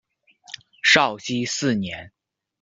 绍熙四年。